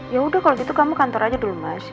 ya udah kalau gitu kamu kantor aja dulu mas